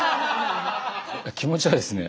気持ちはですね